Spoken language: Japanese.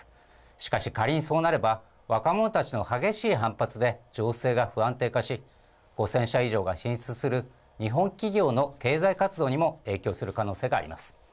しかし仮にそうなれば、若者たちの激しい反発で情勢が不安定化し、５０００社以上が進出する日本企業の経済活動にも影響する可能性があります。